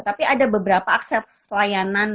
tapi ada beberapa akses layanan